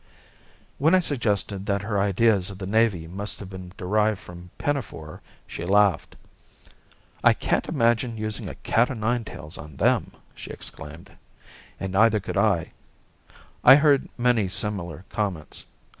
When I suggested that her ideas of the navy must have been derived from Pinafore she laughed. "I can't imagine using a cat o' nine tails on them!" she exclaimed and neither could I. I heard many similar comments.